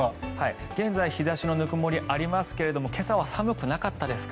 現在、日差しのぬくもりありますけど今朝は寒くなかったですか？